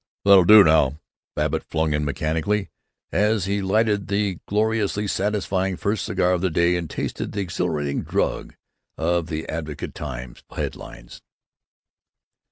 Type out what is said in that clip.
"That'll do now!" Babbitt flung in mechanically, as he lighted the gloriously satisfying first cigar of the day and tasted the exhilarating drug of the Advocate Times headlines.